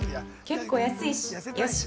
結構安いし。